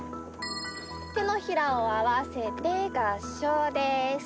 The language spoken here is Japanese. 手のひらを合わせて合掌です。